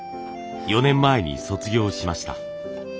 ４年前に卒業しました。